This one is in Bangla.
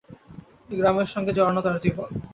এই গ্রামের সঙ্গে জড়ানো তার জীবন।